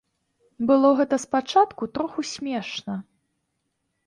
Было гэта спачатку троху смешна.